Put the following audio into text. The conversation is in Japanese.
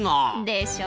でしょ？